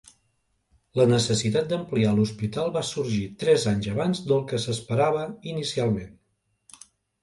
La necessitat d'ampliar l'hospital va sorgir tres anys abans del que s'esperava inicialment.